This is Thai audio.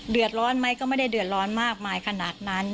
เดือดร้อนไหมก็ไม่ได้เดือดร้อนมากมายขนาดนั้น